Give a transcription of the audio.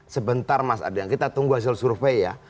sebentar mas ardian kita tunggu hasil survei ya